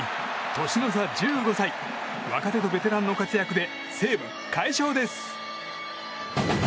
年の差１５歳若手とベテランの活躍で西武、快勝です。